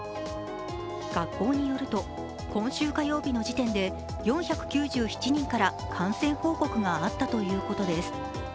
学校によると、今週火曜日の時点で４９７人から感染報告があったということです。